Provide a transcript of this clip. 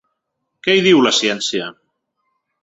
Què hi diu la ciència?